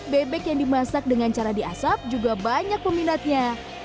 bebek yang dimasak dengan cara diasap juga banyak peminatnya